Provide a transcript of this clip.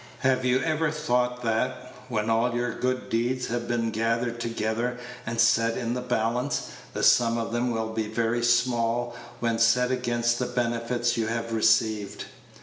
Have you ever thought that, when all your good deeds have been gathered together and set in the balance, the sum of them will be very small when set against the benefits you have received?